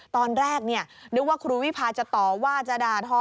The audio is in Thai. ตอนแรกนึกว่าครูวิพาจะต่อว่าจะด่าทอ